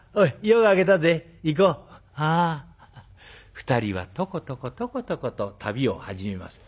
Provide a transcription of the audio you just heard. ２人はトコトコトコトコと旅を始めます。